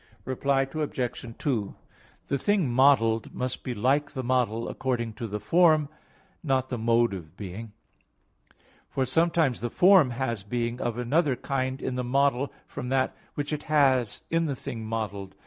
Reply Obj. 2: The thing modelled must be like the model according to the form, not the mode of being. For sometimes the form has being of another kind in the model from that which it has in the thing modelled.